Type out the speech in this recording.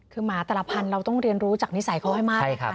คือหมาแต่ละพันธุ์เราต้องเรียนรู้จากนิสัยเขาให้มาก